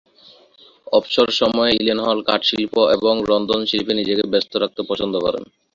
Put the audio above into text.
অবসর সময়ে ইলেনহল কাঠ-শিল্প এবং রন্ধন-শিল্পে নিজেকে ব্যস্ত রাখতে পছন্দ করেন।